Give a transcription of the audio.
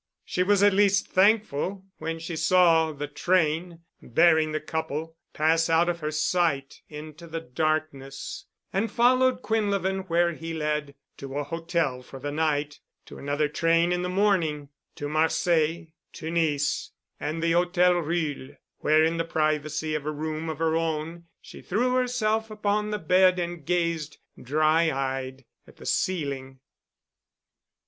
She was at least thankful when she saw the train bearing the couple pass out of her sight into the darkness, and followed Quinlevin where he led—to a hotel for the night—to another train in the morning, to Marseilles, to Nice, and the Hôtel Ruhl, where in the privacy of a room of her own, she threw herself upon the bed and gazed dry eyed at the ceiling.